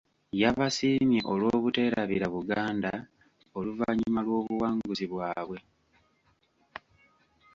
Yabasiimye olw'obuteerabira Buganda oluvannyuma lw'obuwanguzi bwabwe.